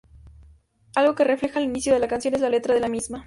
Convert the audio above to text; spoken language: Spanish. Algo que reflejan al inicio de la canción, en la letra de la misma.